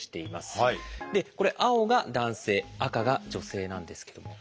これ青が男性赤が女性なんですけども。